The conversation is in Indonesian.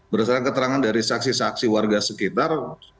berdasarkan keterangan dari saksi saksi warga sekitar